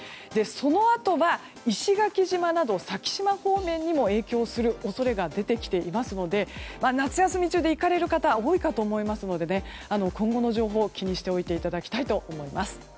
そのあとは石垣島など先島方面にも影響する恐れが出てきていますので夏休み中で行かれる方は多いかと思いますので今後の情報気にしておいていただきたいと思います。